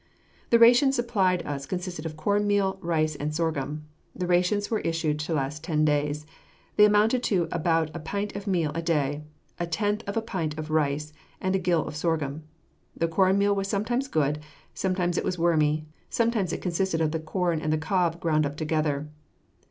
The ration supplied us consisted of cornmeal, rice, and sorghum. The rations were issued to last ten days. They amounted to about a pint of meal a day, a tenth of a pint of rice, and a gill of sorghum. The cornmeal was sometimes good, sometimes it was wormy, sometimes it consisted of the corn and the cob ground up together.